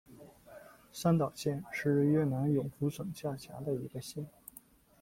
三岛县是越南永福省下辖的一个县。